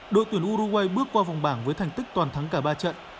đội tuyển uruguay bước qua vòng bảng với thành tích toàn thắng cả ba trận